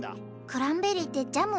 クランベリーってジャムの？